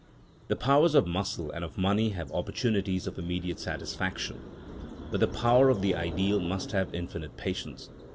The powers of muscle and of money have opportunities of immediate satisfaction, but the power of the ideal must have infinite patience.